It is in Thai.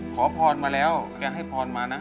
ขอผอนมาแล้วแล้วนายให้มานะ